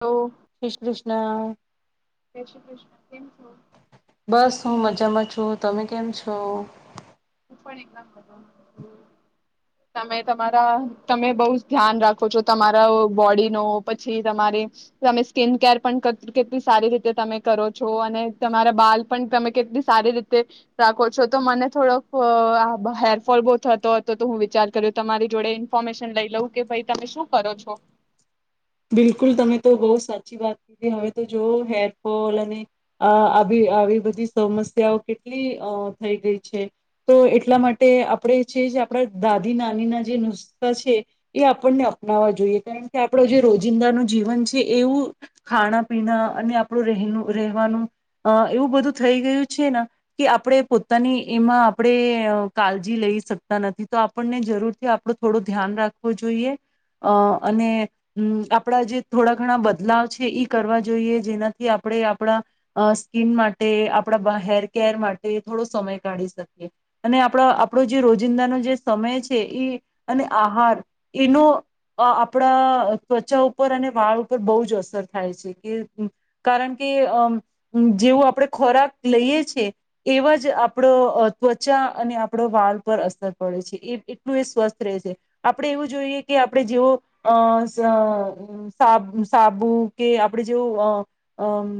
ઓ. ક્રિસ કૃષ્ણ. જય શ્રી કૃષ્ણ. કેમ છો બસ હું મજામાં છું, તમે કેમ છો? હું તમે તમારા તમે બહુજ ધ્યાન રાખો છો. તમારા ઓ બોડી નો પછી તમારી તમે સ્કિન કેર પણ કેટલી સારી રીતે તમે કરો છો અને તમારા બાલ પણ તમે કેટલી સારી રીતે રાખો છો તો મને થોડોક ફો આ હેરફોલ બહુ થતો હતો તો હું વિચાર કર્યું, તમારી જોડે ઇન્ફોર્મેશન લઈ લઉં કે ભાઈ તમે શું કરો છો. બિલકુલ તમે તો બહુ સાચી વાત કીધી હવે તો જો હેરફોલ અને આહ આવી આવી બધી સમસ્યાઓ કેટલી અહ થઈ ગઈ છે. તો એટલા માટે આપણે છે આપણા દાદી નાનીના જે નુસકા છે એ આપણને અપનાવવા જોઈએ કારણ કે આપડો જે રોજ જિંદાનું જીવન છે એવું ખાણા પીના અને આપણું રહેનું રહેવાનું અહ એવું બધું થઈ ગયું છે ને કે આપણે પોતાની એમાં આપણે અહ કાળજી લઈ શકતા નથી. તો આપણને જરૂરથી આપણ થોડું ધ્યાન રાખવું જોઈએ અહ અને આપણા જે થોડા ઘણા બદલાવ છે ઈ કરવા જોઈએ જેનાથી આપણે આપણા અહ સ્કિન માટે આપણા બ હેર કેર માટે થોડો સમય કાઢી શકીએ. અને આપણા આપણો જે રોજિંદાનો જે સમય છે એ અને આહાર એનો અહ આપણા ત્વચા ઉપર અને વાળ ઉપર બહુ જ અસર થાય છે. કે કારણ કે અમ્મ જેવું આપણે ખોરાક લઈએ છે એવા જ આપણો ત્વચા અને આપણો વાળ પર અસર પડે છે. એ-એટલું એ સ્વસ્થ રહે છે. આપણે એવું જોઈએ કે આપણે જેવો અહ જ અમ્મ સાબ સાબુ કે આપણે જેવું અહ અમ્મ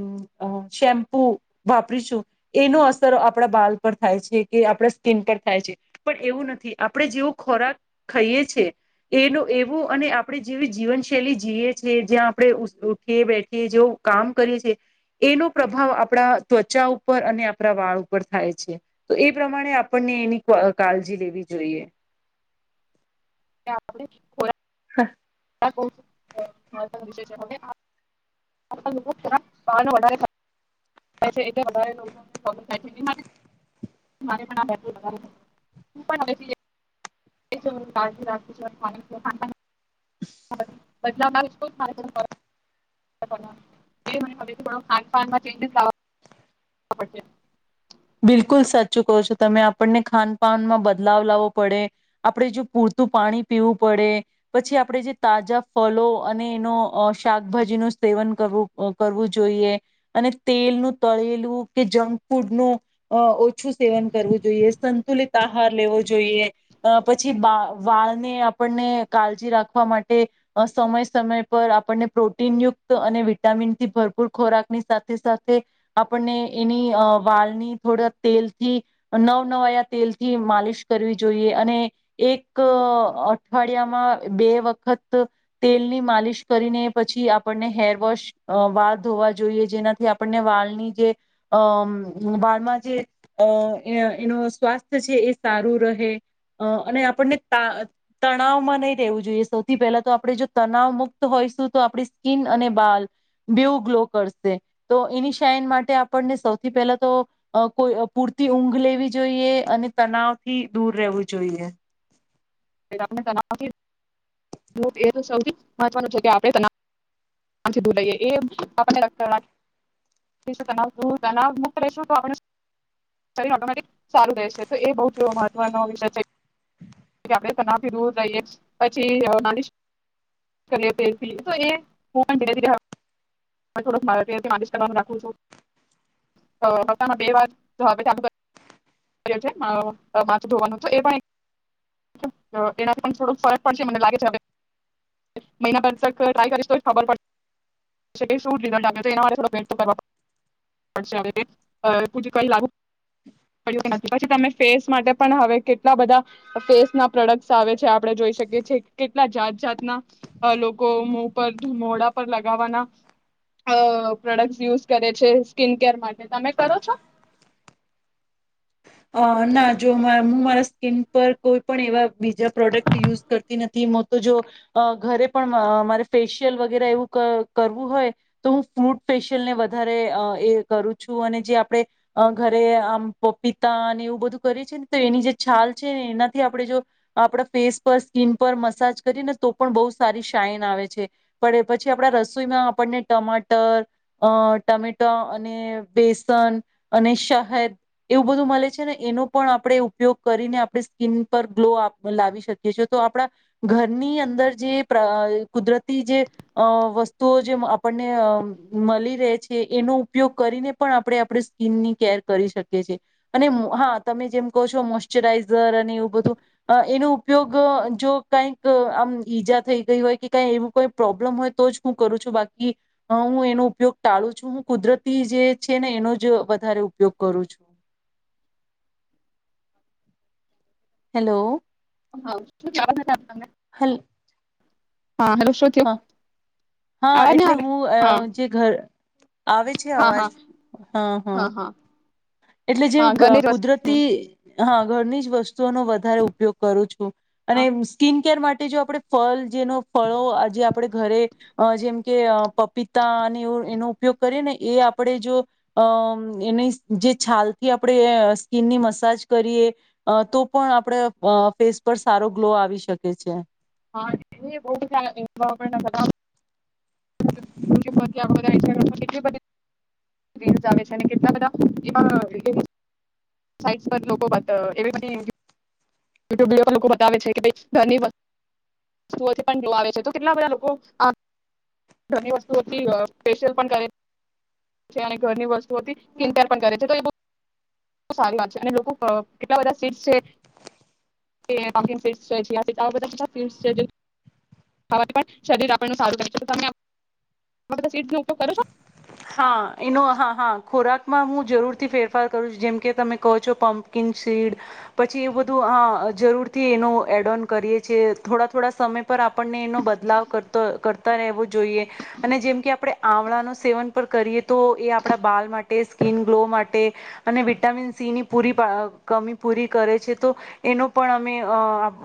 અહ શેમ્પુ વાપરીશું એનો અસર આપણા બાલ પર થાય છે કે આપણા સ્કિન પર થાય છે. પણ એવું નથી આપણે જેવો ખોરાક ખાઈએ છે એ એવું અને આપણે જેવી જીવનશૈલી જીએ છી જ્યાં આપણે ઉસ ઉઠીએ બેઠીએ જેવું કામ કરીએ છીએ એનો પ્રભાવ આપણા ત્વચા ઉપર અને આપણા વાળ ઉપર થાય છે. તો એ પ્રમાણે આપણને એની કા-કાલજી લેવી જોઈએ. એ આપણે ખોરા હા. [inaudible] પ છે એટલે વધારે નું. [unintelligible] [unintelligible] [unintelligible] બદલાવાના ને શું થાય છે. મને હ થોડો ખાન પાાનમાં ચેન્જીસ આવ આ બંને બિલકુલ સાચું કહો છો તમે આપણને ખાનપાનમાં બદલાવ લાવવો પડે આપણે જો પૂરતું પાણી પીવું પડે પછી આપણે જે તાજા ફલો અને એનો શાકભાજીનું સેવન કરવું કરવું જોઈએ અને તેલનું તળેલું કે જંક ફૂડનું અ ઓછું સેવન કરવું જોઈએ સંતુલિત આહાર લેવો જોઈએ પછી બા વાળને આપણને કાળજી રાખવા માટે સમય સમય પર આપણને પ્રોટીનયુક્ત અને વિટામિનથી ભરપૂર ખોરાકની સાથે સાથે આપણને એની વાળની થોડા તેલથી નવ નવાયા તેલથી માલિશ કરવી જોઈએ અને એક અઠવાડિયામાં બે વખત તેલની માલિશ કરીને પછી આપણને હેરવોશ વાળ ધોવા જોઈએ જેનાથી આપણને વાળની જે અ વાળમાં જે આ એનું સ્વાસ્થ્ય છે એ સારું રહે અને આપણને તણાવમાં નહીં રહેેવું જોઈએ સૌથી પહેલા તો આપણે જો તણાવ મુક્ત હોઈશું તો આપણી સ્કીિન અને બાલ બેવું ગ્લો કરશે તો એની શઇન માટે આપણને સૌથી પહેલા તો આ કોઈ પૂરતી ઊંઘ લેવી જોઈએ અને તનાવથી દૂર રહેવું જોઈએ. [unintelligible] એ તો સૌથી મહત્વનું છે કે આપણે [unintelligible] લઈએ એ આપણને [unintelligible] મુક્ત લ શરીરમાં ઓટોમેટિક સારું રહેશે તો એ બો મહત્વનો વિષય છે. [unintelligible] થી દૂધ લઈએ પછી આ માલિશ કરી [unintelligible] તો એ મળતું [unintelligible] માથું ધોવાનુ તો એ એના પણ થોડુંક ફરક પડશે મને લાગે છે હવે મહિના ટાય કરીશ ખબર પડશે એ શું [unintelligible] લાગ છે, એના માટે પછી તમે ફેસ કરવો પડશે આ [unintelligible] ફેસ માટે પણ હવે કેટલા બધા ફેસ ના પ્રોડક્ટ આવે છે, આપણે જોઈ શકીએ છે, કેટલા જાત જાતના લોકો મો પર મોડા પર લાગ લગાવવાના આ પ્રોડક્ટ યુઝ કરે છે, સ્કીન કેર માટે તમે કરો છો? અ ના જો હું મારા સ્કીિન પર કોઈ પણ એવા બીજા પ્રોડક્ટ યુઝ કરતી નથી તો જો ઘરે પણ મારે ફેશિયલ વગેરે એવું કરવું હોય તો હું ફ્રૂટ ફેશિયલ ને વધારે એ કરું છું અને જે આપણે ઘરે આમ પોપી તા ને એવું બધું કરીે છે ને તો એની જે છાલ છે ને એનાથી આપણે જો આપણા ફેસ પર સ્કીિન પર મસાજ કરીએ ને તો પણ બહુ સારી શઇન આવે છે પણ પછી આપડા રસોઈમાં આપણને ટમાટર અ ટમેટા અને બેસન અને શહેદ એવું બધું મળે છે ને એનો પણ આપણે ઉપયોગ કરીને આપણે સ્કીિન પર ગ્લો અપ લાવી શકીએ છે, તો આપણા ઘરની અંદર જે પ્ર કુદરતી જે આ વસ્તુઓ જે આપણને મળી રહે છે, એનો ઉપયોગ કરીને પણ આપણે આપણે સ્કીિની કેર કરી શકીએ છેએ. અને હા તમે જેમ કહો છો મોશ્ચરાઈઝર અને એવું બધું એનો ઉપયોગ જો કઈક આમ ઈજા થઈ ગઈ હોય કે કઈ એવું કોઈ પ્રોબ્લમ હોય તો જ હું કરું છું બાકી હું એનો ઉપયોગ ટાળું છું હું કુદરતી જે છે ને એનો જ વધારે ઉપયોગ કરું છું. હેલો. [unintelligible] હલો. હા હેલો શું થયું હા હા અવાજ નહીં એટલે આવે હું હા જે ઘર આવે છે હા અવાજ હા હા હા. એટલે જે હા ગા ઘરની જ વસ્તુ કુદરતી હા ઘરની જ વસ્તુ નો વધારે ઉપયોગ કરું છું. હા અને સ્કીિન કેર માટે જો આપણે ફલ જેનો ફળો જે આપણે ઘરે જેમ કે પપીતા અને એવ એનો ઉપયોગ કરીએ ને એ આપણે જો અ એની જે છાલથી આપણે સ્કીનની મસાજ કરીએ તો પણ આપણે ફેસ પર સારો ગ્લો આવી શકે છે. હા એ બો બધા [unintelligible] એટલી બધી રિલ્સ આવે છે ને કેટલા બધા એવા [unintelligible] છે લોકો પાસે એવી બધી યુટ્યુબ લોકો બતાવે છે કે ભાઈ ઘરની ઓ થી પનગલો આવે છે તો કેટલા બધા લોકો આ ઘરની વસ્તુ ઓ થી આ ફેશિયલ પણ કરે છે ને ઘરની વસ્તુ ઓ થી [unintelligible] કરે છે તો એ બો સારી વાત છે અને લોકો કેટલા બધા સીટ છે. [unintelligible] ખાવાથી પણ શરીર આપણ સારું કરે છે તમે આવા બધા [unintelligible] નો ઉપયોગ કરો છો? માં હું જરૂરથી ફેરફાર કરું છું જેમકે તમે કહો છો પમ્પકિંગ શીડ પછી એ બધું હ જરૂરથી એનો એડોન કરીએ છે થોડા થોડા સમય પર આપણને એનો બદલાવ કરતો કરતા રહેવો જોઈએ અને જેમકે આપણે આમળાનું સેવન પણ કરીએ તો એ આપણા બાલ માટે સ્કીિન ગ્લો માટે અને વિટામિન સી ની પૂરી આ કમી પૂરી કરે છે તો એનો પણ અમે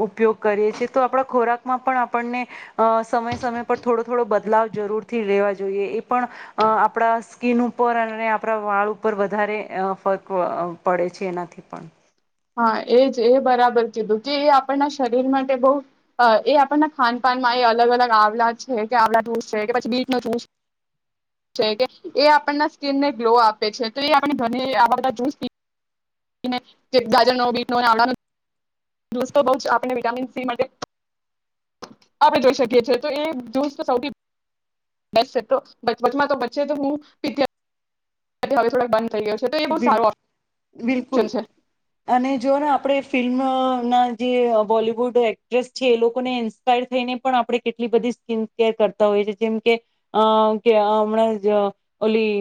ઉપયોગ કરીએ છેીએ તો આપણા ખોરાકમાં પણ આપણને અ સમય સમય પર થોડો થોડો બદલાવ જરૂર થી લેવા જોઈએ એ પણ અ આપણા સ્કીિન ઉપર અને આપણા વાળ ઉપર વધારે ફર્ક પડે છે એનાથી પણ. હા એ જ એ બરાબર કીધું કે એ આપણના શરીર માટે બહ એ આપણના ખાનપાનમાં એ અલગ અલગ આવલા છે કે આવલા જૂસ છે કે પછી બીટનો જૂસ છે કે એ આપણના સ્કીિનને ગ્લો આપે છે તો એ આપણે [unintelligible] આ બધા જૂસ ને ગારજ નો બીટ નો આવલાનો જુશ તો બો આપણે વિટામિન સી માટે આપણે જોઈ શકીએ છેએ તો એ સૌથી બેસ્ટ છે તો વચમાં તો બચ્ચે તો હુ પીતી હતી હવે થોડાક બંધ થઈ ગયયો છે તો એ બહુ બિલ સારું આવે બિલકુલ અને જો ને આપડે ફિલ્મ ને જે બોલીવુડ એક્ટ્રેસ છે, એ લોકોને ઇન્સ્પાયર થઈને પણ આપણે કેટલી બધી સ્કીિન કેર કરતા હોઈએ છે જેમ કે હમણાં જ ઓલી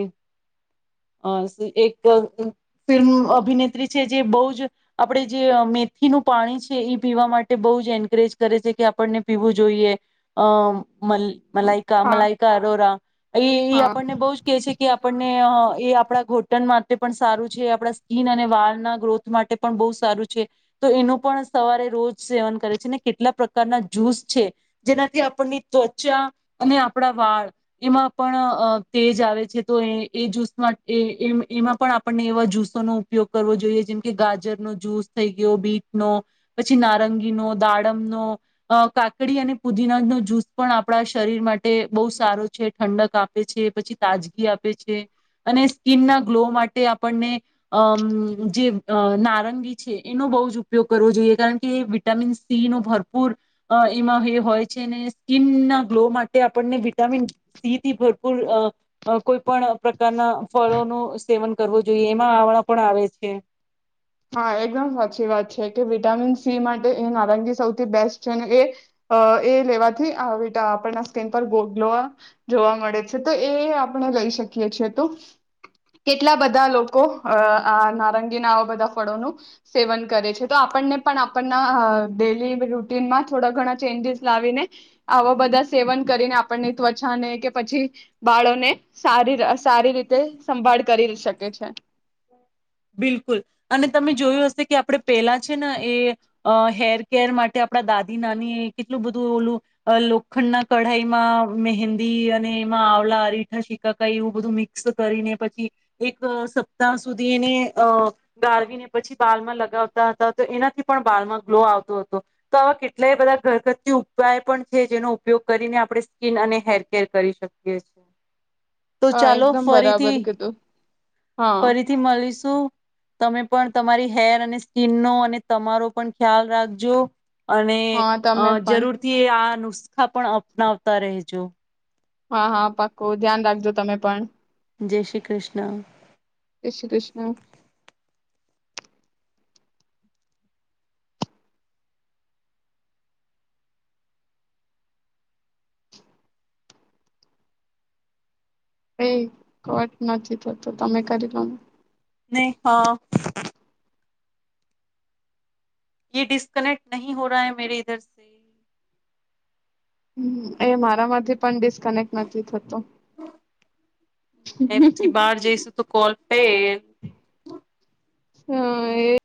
અ એક ફિલ્મ અભિનેત્રી છે જે બહુ જ આપણે જે મેથીનું પાણી છે એ પીવા માટે બહુ જ એન્કરેજ કરે છે કે આપણને પીવું જોઈએ અ મ મલાઈકા હા મલાઈકા અરોરા એ એ હા. આપણને બો જ કે છે કે આપણને આ એ આપણા ઘોટણ માટે પણ સારું છે આપણા સ્કીિન અને વાળના ગ્રોથ માટે પણ બહુ સારું છે તો એનું પણ સવારે રોજ સેવન કરે છે અનેને કેટલા પ્રકારના જ્યૂસ છે જેનાથી આપણની ત્વચા અને આપણા વાળ એમાં પણ તેજ આવે છે તો એ એ જૂસ એમાં પણ આપણને એવા જ્યુસોનોો ઉપયોગ કરવો જોઈએ જેમ કે ગાજરનોો જ્યુસ થઈ ગયો બીટ નો પછી નારંગીનોો દાડમનોો કાકડી અને પુદીના નો જ્યુસ પણ આપણા શરીર માટે બહુ સારો છે ઠંડક આપે છે પછી તાજગી આપે છે. અને સ્કીિનના ગ્લો માટે આપણને જે નારંગી છે એનો બહુ જ ઉપયોગ કરવો જોઈએ કારણ કે એ વિટામિન સી ન ભરપૂર એમાં એ હોય છે અને સ્કીિનના ગ્લો માટે આપણને વિટામિન સી થી ભરપૂર કોઈ પણ ના ફળોનું સેવન કરવું જોઈએ એમાં આવણા પણ આવે છે. છે. હા એકદમ સાચી વાત છે કે વિટામિન સી માટે એ નારંગી સૌથી બેસ્ટ છેને એ એ લેવાથીટા આપના સ્કીિન પર ગ્લોવા જોવા મળે છે તો એ આપણે લઈ શકીય છેએ તો કેટલા બધા લોકો આ નારંગીના આવા બધા ફળોનું સેવન કરે છે તો આપણને પણ આપણના ડેલી રૂટીનમાં થોડા ઘણા ચેન્જીસ લાવીને આવા બધા સેવન કરીને આપણની ત્વચાને કે પછી બાળોને સારી સારી રીતે સંભાળ કરી શકે છે. બિલકુલ અને તમે જોયું હશે કે આપણે પેલા છે ને એ હેર કેર માટે આપણા દાદી નાની એ કેટલું બધું ઓલું લોખંડના કઢાઈમાં મહેંદી અને એમાં આવલા અરીઠા શીકાકાઈ એવું બધું મિક્સ કરીને પછી એક સપ્તાહ સુધી એને અ ગાળવીને પછી બાલમાં લગાવતા હતા તો એનાથી પણ બાલમાં ગ્લો આવતો હતો તો આવા કેટલાય બધા ઘરકથતી ઉપાય પણ છે જેનો ઉપયોગ કરીને આપણે સ્કીિન અને હેરકેર કરી શકીએ છેએ. હા એકદમ બરાબર કીધું હા. ફરીથી તમે પણ તમારી હેર અને સ્કીિન નો અને તમારો પણ ખ્યાલ રાખજો. અને હા અ તમે પણ જરૂરથી આ નુ આખા પણ અપનાવતા રહેજો. હા હા પાક્કો ધ્યાન રાખજો તમે પણ. જય શ્રી કૃષ્ણ. અચછા તશ એ કોટ નથી થતો તમે કરી લો ને. નહી હા. ડિસ્કનેક્ટ નહીં હો રહા હૈ મેરે ઇધર સે. એ મારા માંથી પણ ડીસ એમથી બહાર જઈશું તો કોલ પે હા એ